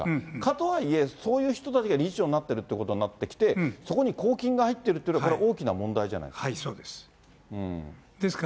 とはいえ、そういう人たちが理事長になってるということになってきて、そこに公金が入ってるっていうのは大きな問題じゃないですか。